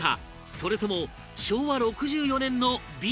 それとも昭和６４年のＢなのか？